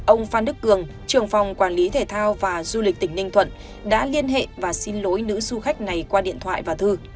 ông phan đức cường trưởng phòng quản lý thể thao và du lịch tỉnh ninh thuận đã liên hệ và xin lỗi nữ du khách này qua điện thoại và thư